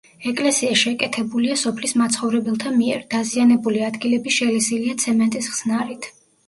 ეკლესია შეკეთებულია სოფლის მაცხოვრებელთა მიერ: დაზიანებული ადგილები შელესილია ცემენტის ხსნარით.